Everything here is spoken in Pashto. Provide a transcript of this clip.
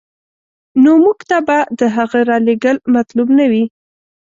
نو موږ ته به د هغه رالېږل مطلوب نه وي.